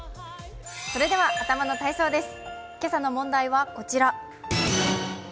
それでは頭の体操です。